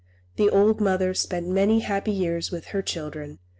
The old mother spent many happy years with her children.